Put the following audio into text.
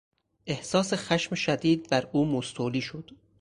احساس خشم شدید بر او مستولی شد.